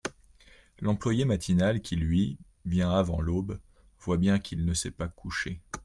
L'employé matinal qui, lui, vient avant l'aube, voit bien qu'il ne s'est pas couché.